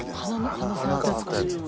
鼻をつつくやつ。